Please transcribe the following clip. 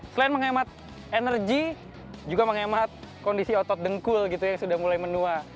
selain menghemat energi juga menghemat kondisi otot dengkul gitu yang sudah mulai menua